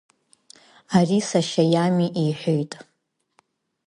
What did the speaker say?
Ари сашьа иами, — иҳәеит.